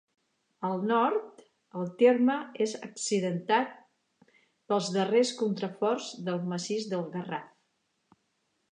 Al nord, el terme és accidentat pels darrers contraforts del massís del Garraf.